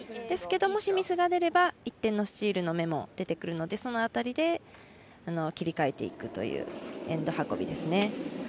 ですが、もしミスが出れば１点のスチールの芽も出てくるのでその辺りで切り替えていくというエンド運びですね。